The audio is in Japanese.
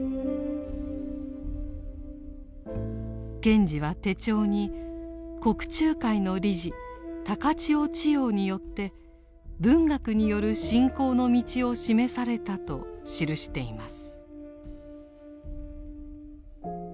賢治は手帳に国柱会の理事高知尾智耀によって文学による信仰の道を示されたと記しています。